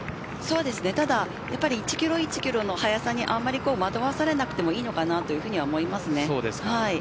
ただ１キロずつの速さに惑わされなくてもいいかなと思います。